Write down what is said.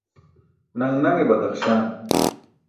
Naṅ naṅe badaxśaan.